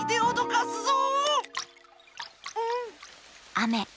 あめ。